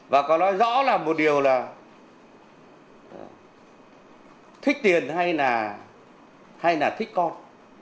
và có nói rõ là một điều là thích tiền hay là thích con